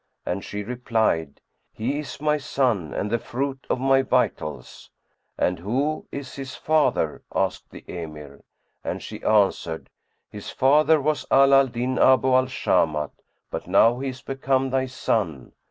and she replied, "He is my son and the fruit of my vitals." "And who is his father?" asked the Emir; and she answered, "His father was Ala al Din Abu al Shamat, but now he is become thy son."